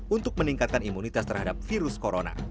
untuk meningkatkan imunitas terhadap virus corona